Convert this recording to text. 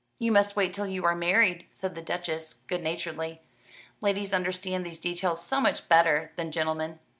"You must wait till you are married," said the Duchess good naturedly. "Ladies understand these details so much better than gentlemen.